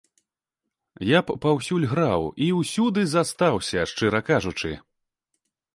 Я б паўсюль граў і ўсюды застаўся, шчыра кажучы.